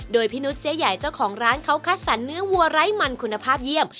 โดยพี่นุษย์เจ๊ใหญ่เจ้าของร้านเขาคัดสรรเนื้อวัวไร้มันคุณภาพเยี่ยม